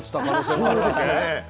そうですね。